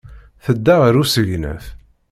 Tedda ɣer usegnaf.